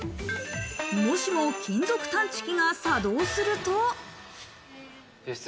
もしも、金属探知機が作動すると。